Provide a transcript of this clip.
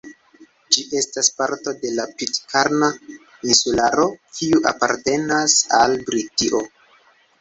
Ĝi estas parto de la Pitkarna Insularo, kiu apartenas al Britio.